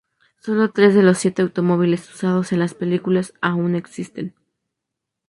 Sólo tres de los siete automóviles usados en las películas aún existen.